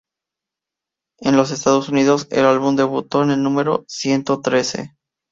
En los Estados Unidos, el álbum debutó en el número ciento trece.